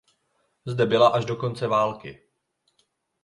Zde byla až do konce války.